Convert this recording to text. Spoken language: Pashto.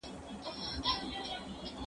او خدای خبر چې ولې